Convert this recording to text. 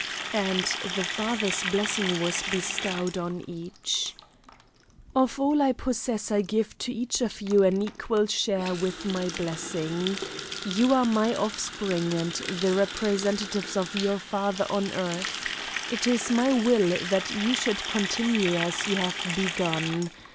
"And the father's blessing was bestowed on each. "'Of all I possess I give to each of you an equal share with my blessing. You are my offspring and the representatives of your father on earth. It is my will that you should continue as you have begun.